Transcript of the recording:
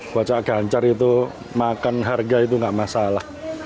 buah cak ganjar itu makan harga itu nggak masalah